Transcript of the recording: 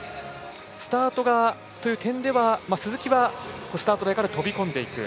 スタートという点では鈴木はスタート台から飛び込んでいく。